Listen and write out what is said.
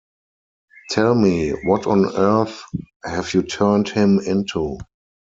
Tell me, what on earth have you turned him into?